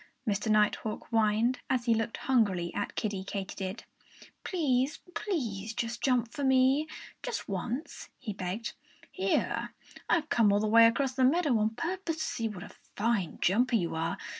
Mr. Nighthawk whined, as he looked hungrily at Kiddie Katydid. "Please, please jump for me just once!" he begged. "Here I've come all the way across the meadow on purpose to see what a fine jumper you are!